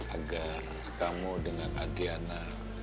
agar kamu dengan adriana